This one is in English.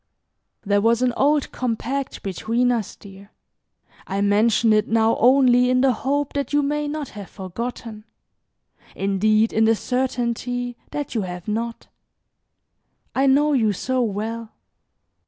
"There was an old compact between us, dear. I mention it now only in the hope that you may not have forgotten indeed, in the certainty that you have not. I know you so well.